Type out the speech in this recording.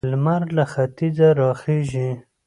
لمر له ختيځه را خيژي.